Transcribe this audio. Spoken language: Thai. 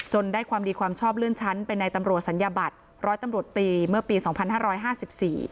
ได้ความดีความชอบเลื่อนชั้นไปในตำรวจศัลยบัตรร้อยตำรวจตีเมื่อปีสองพันห้าร้อยห้าสิบสี่